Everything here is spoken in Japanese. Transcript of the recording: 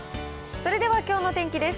それではきょうの天気です。